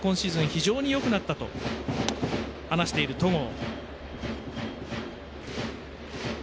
非常によくなったと話している戸郷。